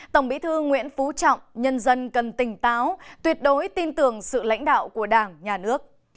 tổng bí thư nguyễn phú trọng nhân dân cần tỉnh táo tuyệt đối tin tưởng sự lãnh đạo của đảng nhà nước